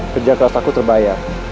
kerja kelas aku terbayar